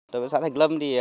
đối với xã thạch lâm